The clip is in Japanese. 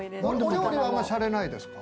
お料理はあんまされないですか？